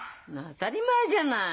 当たり前じゃない！